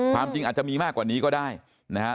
ความจริงอาจจะมีมากกว่านี้ก็ได้นะฮะ